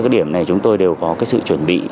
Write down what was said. các điểm này chúng tôi đều có sự chuẩn bị